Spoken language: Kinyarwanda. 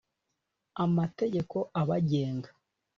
amategeko abagenga